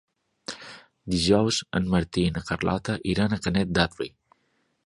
Dijous en Martí i na Carlota iran a Canet d'Adri.